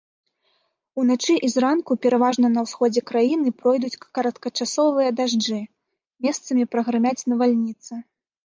Уначы і зранку пераважна па ўсходзе краіны пройдуць кароткачасовыя дажджы, месцамі прагрымяць навальніцы.